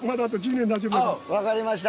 わかりました。